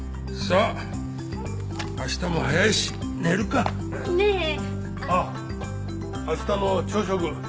あっ明日の朝食。